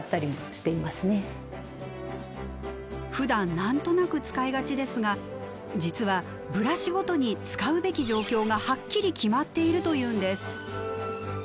ふだん何となく使いがちですが実はブラシごとに使うべき状況がはっきり決まっているというんです。